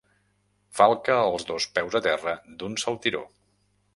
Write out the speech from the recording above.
Falca els dos peus a terra d'un saltiró.